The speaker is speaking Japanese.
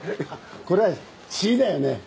これはシだよね。